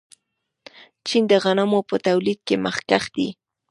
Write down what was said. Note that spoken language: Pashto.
چین د غنمو په تولید کې مخکښ دی.